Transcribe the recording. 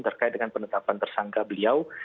terkait dengan penetapan tersangka beliau